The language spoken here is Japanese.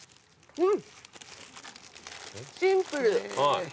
うん。